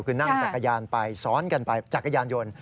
คือนั่งจักรยานไปซ้อนกันไปจักรยานยนต์